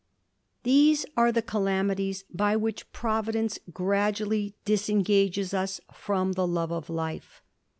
These are the calamities by which Providence gradually disengages us from the love of life.